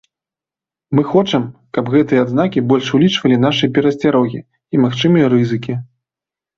Мы хочам, каб гэтыя адзнакі больш улічвалі нашы перасцярогі і магчымыя рызыкі.